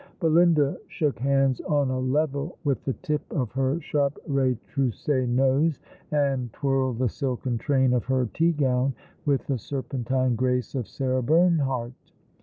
Belinda shook hands on a level with the tip of her sharp retrousse nose, and twirled the silken train of hei tea gown with the serpentine grace of Sarah Bernhardt.